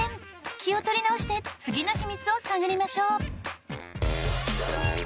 気を取り直して次の秘密を探りましょう。